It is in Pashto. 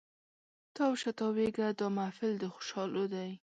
تاو شه تاویږه دا محفل د خوشحالو دی